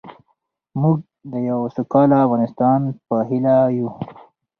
موږ د یو سوکاله افغانستان په هیله یو.